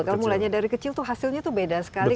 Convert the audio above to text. kalau mulainya dari kecil tuh hasilnya tuh beda sekali